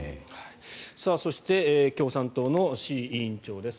そして共産党の志位委員長です。